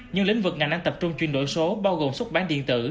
nhưng lĩnh vực ngành đang tập trung chuyển đổi số bao gồm xuất bản điện tử